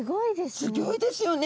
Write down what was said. すギョいですよね。